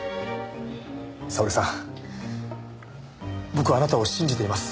沙織さん僕はあなたを信じています。